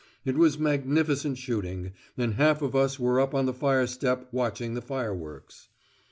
It was magnificent shooting, and half of us were up on the fire step watching the fireworks.